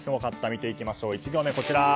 見ていきましょう、１行目。